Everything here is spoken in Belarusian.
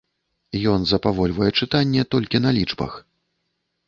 Ён запавольвае чытанне толькі на лічбах.